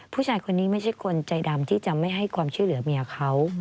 ผู้ชายคนนี้ไม่ใช่คนใจดำที่จะไม่ให้ความช่วยเหลือเมียเขา